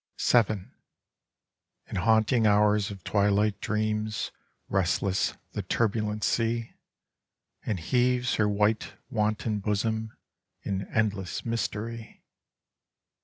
VII In haunting hours of twilight dreams restless the turbulent sea, and heaves her white wanton bosom in endless mystery.